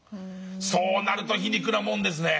そうなると皮肉なもんですね。